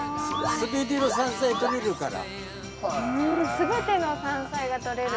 すべての山菜がとれる。